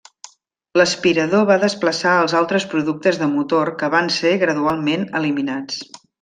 L'aspirador va desplaçar els altres productes de motor que van ser gradualment eliminats.